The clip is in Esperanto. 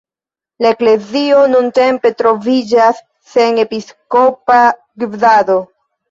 La eklezio nuntempe troviĝas sen episkopa gvidado.